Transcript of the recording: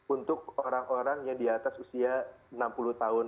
untuk orang orang yang di atas usia enam puluh tahun